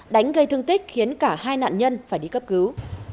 đánh gây thương tích khiến cả hai nạn nhân phải đi cấp cứu